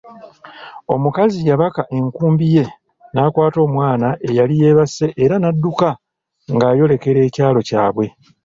Omukazi yabaka enkumbi ye, n'akwata omwana eyali yeebase era n'adduka ng'ayolekera ekyalo kyabwe.